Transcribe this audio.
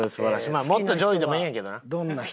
まあもっと上位でもいいんやけどな。